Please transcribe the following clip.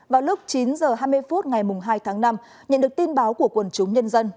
vào lúc chín h hai mươi phút ngày hai tháng năm nhận được tin báo của quần chúng nhân dân